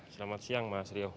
selamat siang mas riau